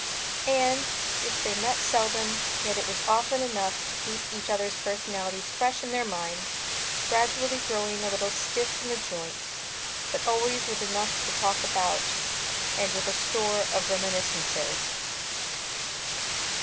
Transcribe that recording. And, if they met seldom, yet it was often enough to keep each other's personalities fresh in their minds, gradually growing a little stiff in the joints, but always with enough to talk about and with a store of reminiscences.